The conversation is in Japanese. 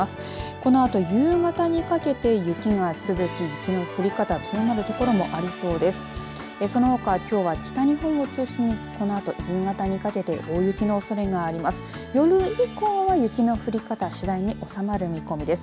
このあと夕方にかけて雪が降り続き雪の降り方強まる所もありそうです。